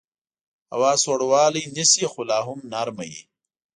هوا سوړوالی نیسي خو لاهم نرمه وي